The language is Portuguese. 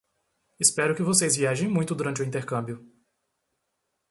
Espero que vocês viajem muito durante o intercâmbio!